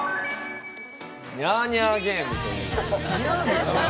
ニャーニャーゲームという。